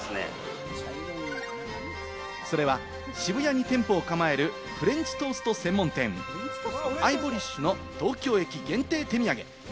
それは渋谷に店舗を構えるフレンチトースト専門店・アイボリッシュの東京駅限定手土産。